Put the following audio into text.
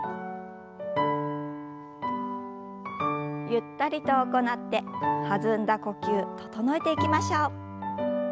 ゆったりと行って弾んだ呼吸整えていきましょう。